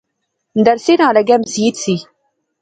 مدرسے نال اگے مسیت زی